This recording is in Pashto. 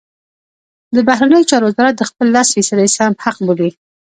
د بهرنیو چارو وزارت د خپل لس فیصدۍ سهم حق بولي.